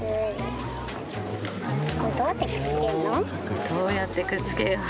これどうやってくっつけんの？